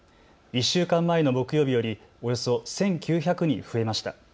１週間前の木曜日よりおよそ１９００人増えました。